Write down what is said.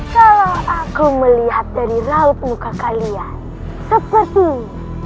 kalau aku melihat dari rauh muka kalian seperti ini